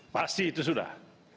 pasti itu sudah